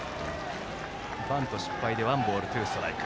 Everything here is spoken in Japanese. バント失敗でワンボール、ツーストライク。